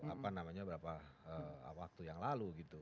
apa namanya beberapa waktu yang lalu gitu